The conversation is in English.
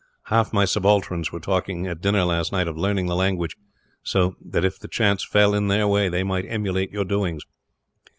Half my subalterns were talking, at dinner last night, of learning the language so that, if the chance fell in their way, they might emulate your doings."